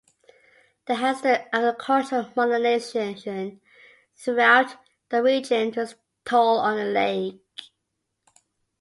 The hastened agricultural modernization throughout the region took its toll on the lake.